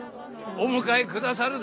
お迎えくださるぞ！